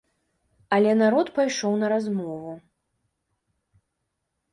Але народ пайшоў на размову.